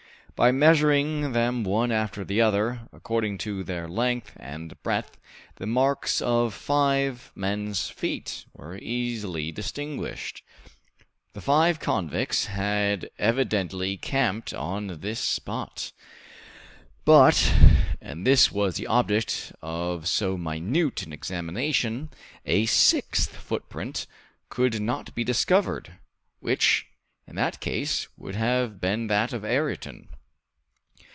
By measuring them one after the other, according to their length and breadth, the marks of five men's feet were easily distinguished. The five convicts had evidently camped on this spot; but, and this was the object of so minute an examination, a sixth footprint could not be discovered, which in that case would have been that of Ayrton.